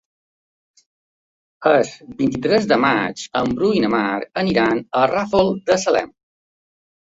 El vint-i-tres de maig en Bru i na Mar iran al Ràfol de Salem.